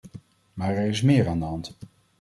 Maar er is meer aan de hand.